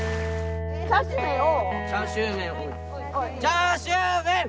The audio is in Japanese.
チャーシューメン！